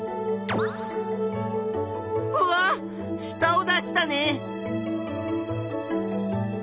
うわっしたを出したね！